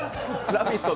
「ラヴィット！」